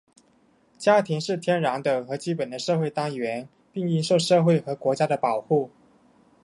家庭是天然的和基本的社会单元,并应受社会和国家的保护。